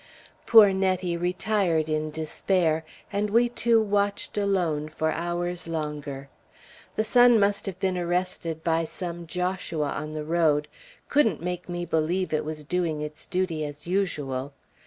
Poor Nettie retired in despair, and we two watched alone for hours longer. The sun must have been arrested by some Joshua on the road; couldn't make me believe it was doing its duty as usual.